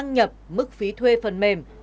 nhập mức phí thuê phần mềm